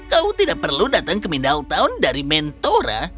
kau tidak perlu datang ke mindaltown dari mentora